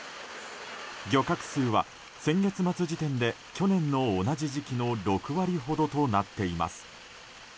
漁獲数は先月末時点で去年の同じ時期の６割ほどとなっています。